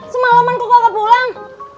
semalam kan kok gak kebulang